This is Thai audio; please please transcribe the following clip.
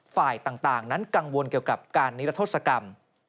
ฝ่ายต่างนั้นกังวลเกี่ยวกับการนิรโทษกรรม